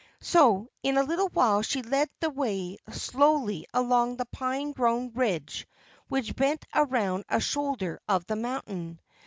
So in a little while she led the way slowly along the pine grown ridge which bent around a shoulder of the mountain.